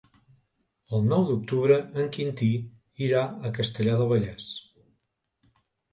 El nou d'octubre en Quintí irà a Castellar del Vallès.